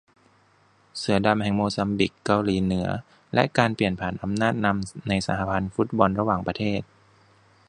เสือดำแห่งโมซัมบิค เกาหลีเหนือ และการเปลี่ยนผ่านอำนาจนำในสหพันธ์ฟุตบอลระหว่างประเทศ